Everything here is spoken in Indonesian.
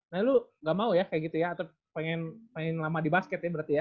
nah lu gak mau ya kayak gitu ya atau pengen main lama di basket ya berarti ya